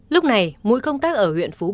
lúc này mỗi công tác ở huyện phú bình